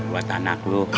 buat anak lo